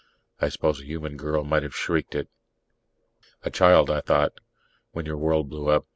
I suppose a human girl might have shrieked it. A child, I thought, _when your world blew up.